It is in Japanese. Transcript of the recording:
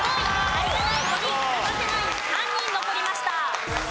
有田ナイン５人生瀬ナイン３人残りました。